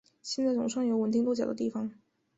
现在总算有稳定落脚的地方